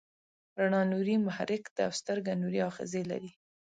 رڼا نوري محرک ده او سترګه نوري آخذې لري.